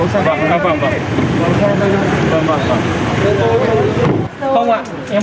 cầm hết quán thì chạy được không ạ